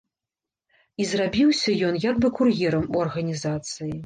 І зрабіўся ён як бы кур'ерам у арганізацыі.